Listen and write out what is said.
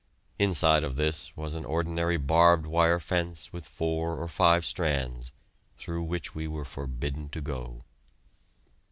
Inside of this was an ordinary barbed wire fence with four or five strands, through which we were forbidden to go.